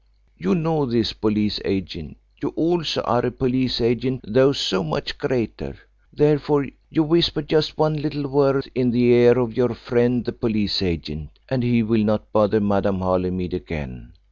"You know this police agent. You also are a police agent, though so much greater. Therefore you whisper just one little word in the ear of your friend the police agent, and he will not bother Madame Holymead again.